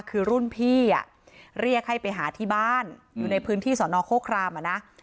คือรุ่นพี่เรียกให้ไปหาที่บ้านอยู่ในพื้นที่สอนอโฆครามอ่ะนะ